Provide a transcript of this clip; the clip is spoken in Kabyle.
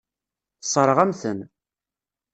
Tessṛeɣ-am-ten.